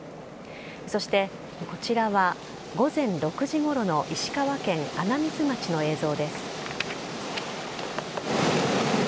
そしてこちらは午前６時ごろの石川県穴水町の映像です。